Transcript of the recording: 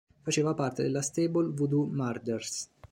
Faceva parte della stable Voodoo Murders.